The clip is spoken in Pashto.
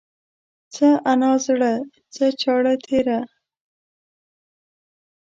څه انا زړه ، څه چاړه تيره.